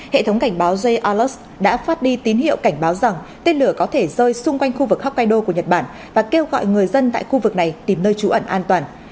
tên lửa đã đến khu vực hokkaido của nhật bản và kêu gọi người dân tại khu vực này tìm nơi trú ẩn an toàn